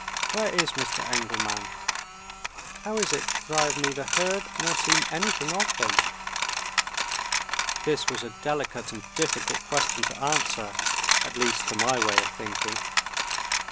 Where is Mr. Engelman? How is it that I have neither heard nor seen anything of him?" This was a delicate and difficult question to answer at least, to my way of thinking.